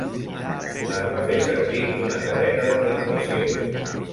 Es va fer servir una cadena de transmissió.